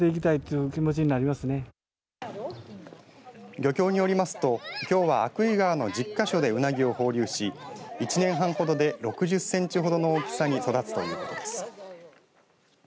漁協によりますと、きょうは鮎喰川の１０か所でウナギを放流し１年半ほどで６０センチほどの大きさに育つということです。